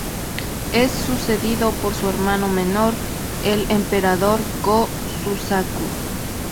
Es sucedido por su hermano menor, el Emperador Go-Suzaku.